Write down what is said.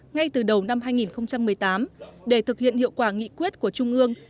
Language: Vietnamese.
ngay từ đầu năm hai nghìn một mươi tám để thực hiện hiệu quả nghị quyết của trung ương